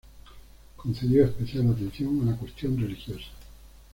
Concedió especial atención a la cuestión religiosa.